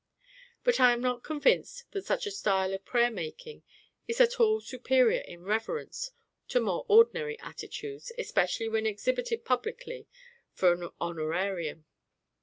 But I am not convinced that such a style of prayer making is at all superior in reverence to more ordinary attitudes, especially when exhibited publicly for an honorarium.